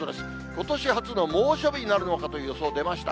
ことし初の猛暑日になるのかという予想出ました。